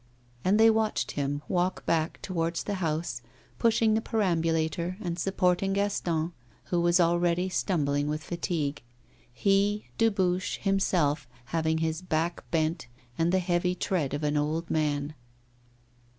And they watched him walk back towards the house, pushing the perambulator, and supporting Gaston, who was already stumbling with fatigue he, Dubuche, himself having his back bent and the heavy tread of an old man.